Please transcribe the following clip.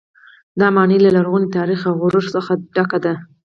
دا ماڼۍ له لرغوني تاریخ او غرور څخه ډکه ده.